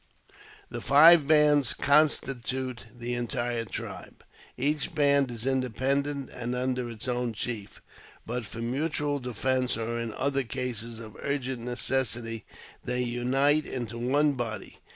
The five bands constitute the entire tribe. Each band is independent and under its own chief, but for mutual defence, or in other cases of urgent necessity, they unite into one body.